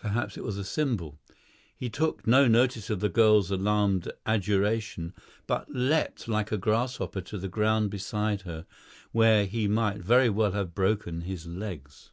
Perhaps it was a symbol. He took no notice of the girl's alarmed adjuration, but leapt like a grasshopper to the ground beside her, where he might very well have broken his legs.